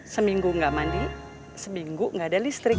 seminggu gak mandi seminggu gak ada listrik